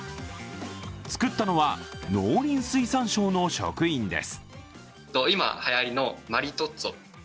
作ったのは農林水産省の職員です。